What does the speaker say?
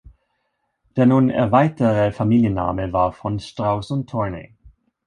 Der nun erweiterte Familienname war "von Strauß und Torney".